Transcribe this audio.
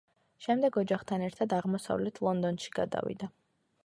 შემდეგ ოჯახთან ერთად აღმოსავლეთ ლონდონში გადავიდა.